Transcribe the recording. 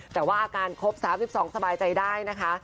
แต่ว่าอาการครบ๓๒สบายใจได้นะคะ